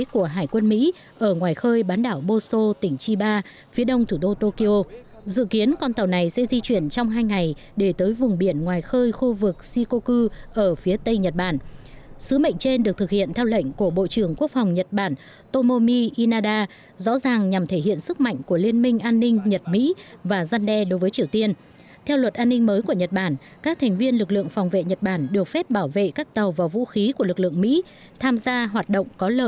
của hải quân mỹ ở ngoài khơi bán đảo boso tỉnh chiba phía đông thủ đô tokyo